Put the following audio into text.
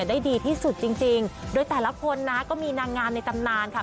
ได้ดีที่สุดจริงจริงโดยแต่ละคนนะก็มีนางงามในตำนานค่ะ